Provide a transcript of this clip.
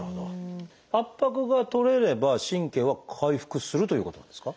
圧迫がとれれば神経は回復するということなんですか？